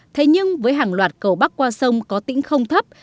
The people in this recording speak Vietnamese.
thế nhưng với hàng loạt cầu bắc qua sông có tính không thấp